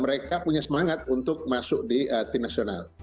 mereka punya semangat untuk masuk di tim nasional